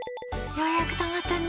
ようやくたまったね。